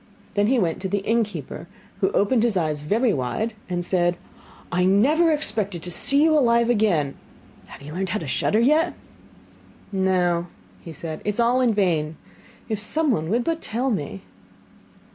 Then he went to the innkeeper, who opened his eyes very wide, and said: 'I never expected to see you alive again! Have you learnt how to shudder yet?' 'No,' said he, 'it is all in vain. If someone would but tell me!